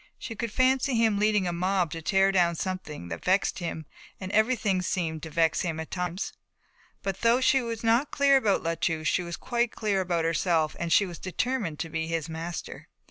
She could fancy him leading a mob to tear down something that vexed him, and everything seemed to vex him, at times. But though she was not clear about La Touche she was quite clear about herself and she was determined to be his master.